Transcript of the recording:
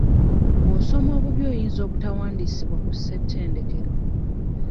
Bw'osoma obubi oyinza obutawandiisibwa ku ssetendekero.